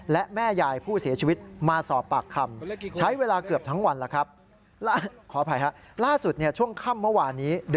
และแม่ยายผู้เสียชีวิตมาสอบปากคำ